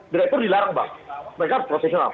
direktur dilarang bang mereka profesional